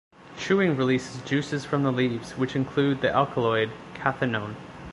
Chewing releases juices from the leaves, which include the alkaloid cathinone.